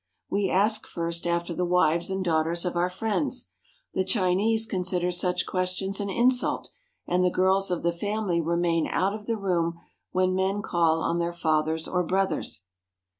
We ask first after the wives and daughters of our friends. The Chinese con sider such questions an insult, and the girls of the family remain out of the room when men call on their fathers or brothers.